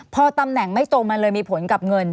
พอตำแหน่งไม่ตรงมันเลยมีผลกับเงิน